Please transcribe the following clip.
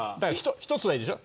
１つはいいでしょ。